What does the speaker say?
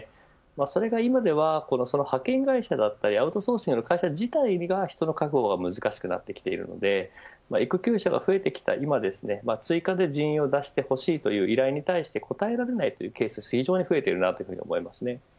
それが今では派遣会社だったりアウトソーシングの会社自体が人の確保が難しくなってきているので育休者が増えてきた今追加で人員を出してほしいという依頼に対して応えられないというケースが非常に増えていると思います。